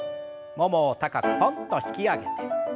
ももを高くポンと引き上げて。